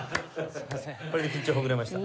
これで緊張ほぐれました。